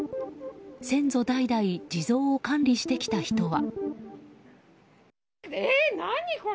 先祖代々地蔵を管理してきた人は。